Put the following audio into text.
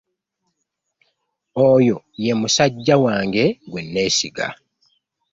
Oyo ye musajja wange gwe nneesiga.